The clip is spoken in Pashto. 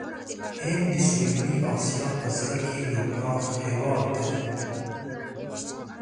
هند د سویلي آسیا په زړه کې یو پراخ هېواد دی.